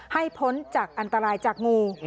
พ้นจากอันตรายจากงู